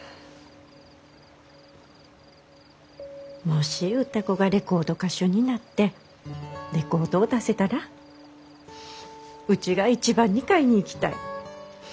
もし歌子がレコード歌手になってレコードを出せたらうちが一番に買いに行きたい。